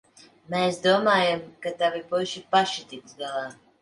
Mēs domājām, ka tavi puiši paši tiks galā.